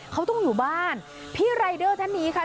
เขาต้องอยู่บ้านพี่รายเดอร์ท่านนี้ค่ะ